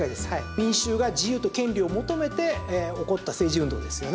民衆が自由と権利を求めて起こった政治運動です。